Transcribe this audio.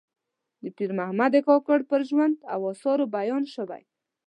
د پیر محمد کاکړ پر ژوند او آثارو بیان شوی.